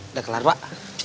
udah kelar pak